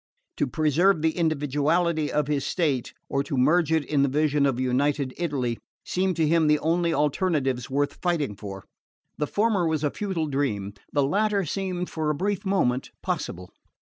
To preserve the individuality of his state, or to merge it in the vision of a United Italy, seemed to him the only alternatives worth fighting for. The former was a futile dream, the latter seemed for a brief moment possible.